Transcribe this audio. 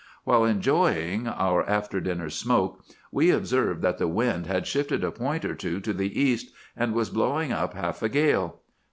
"While enjoying our after dinner smoke we observed that the wind had shifted a point or two to the east, and was blowing up half a gale.